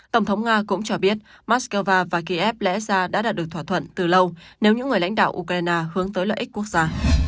tổng thống nga cũng cho biết moscow và kiev lẽ ra đã đạt được thỏa thuận từ lâu nếu những người lãnh đạo ukraine hướng tới lợi ích quốc gia